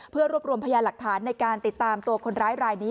เพื่อรวบรวมพยานหลักฐานในการติดตามตัวคนร้ายรายนี้